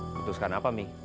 mutuskan apa mi